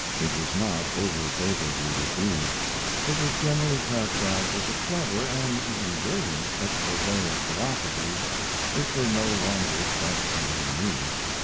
It was not over favorably received. It was generally characterized as a clever, and even brilliant, expose of philosophies which were no longer startlingly new.